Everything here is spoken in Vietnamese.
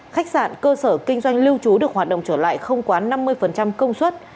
khách sạn cơ sở kinh doanh lưu trú được hoạt động trở lại không quá năm mươi công suất